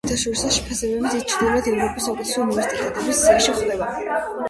საერთაშორისო შეფასებებით ის ჩრდილოეთ ევროპის საუკეთესო უნივერსიტეტების სიაში ხვდება.